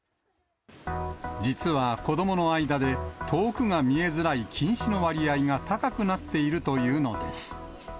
実は子どもの間で、遠くが見えづらい近視の割合が高くなっているというのです。